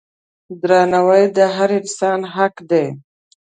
درناوی د هر انسان حق دی.